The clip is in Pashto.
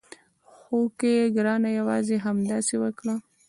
هوکې ګرانه یوازې همداسې وکړه.